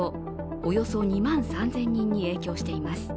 およそ２万３０００人に影響しています。